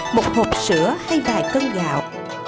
một hộp sữa hay vài cân gạo